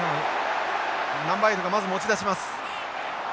ナンバー８がまず持ち出します。